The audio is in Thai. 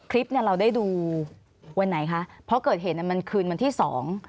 คลิปเนี้ยเราได้ดูวันไหนคะเพราะเกิดเหตุเนี้ยมันคืนวันที่สอง